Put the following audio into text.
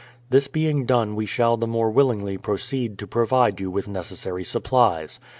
This being done we shall the more willingly proceed to provide you with necessary supplies.